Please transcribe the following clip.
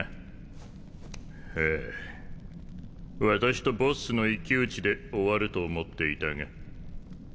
私とボッスの一騎打ちで終わると思っていたが。